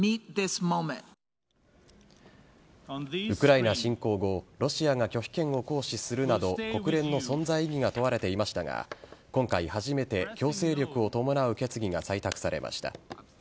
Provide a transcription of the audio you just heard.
ウクライナ侵攻後ロシアが拒否権を行使するなど国連の存在意義が問われていましたが今回、初めて強制力を伴う決議が採択されました。